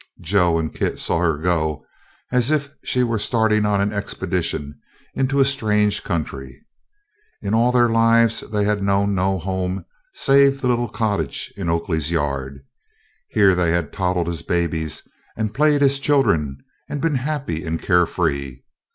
Joe and Kit saw her go as if she were starting on an expedition into a strange country. In all their lives they had known no home save the little cottage in Oakley's yard. Here they had toddled as babies and played as children and been happy and care free.